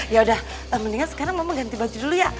yaudah mendingan sekarang mama ganti baju dulu ya